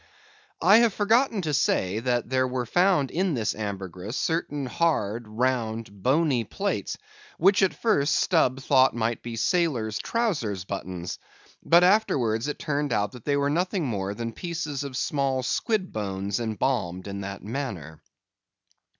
I have forgotten to say that there were found in this ambergris, certain hard, round, bony plates, which at first Stubb thought might be sailors' trowsers buttons; but it afterwards turned out that they were nothing more than pieces of small squid bones embalmed in that manner.